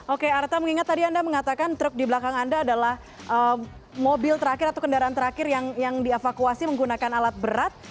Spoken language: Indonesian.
oke arta mengingat anda mengatakan truk dibelakang anda adalah mobil atau kendaraan terakhir yang di evakuasi menggunakan alat berat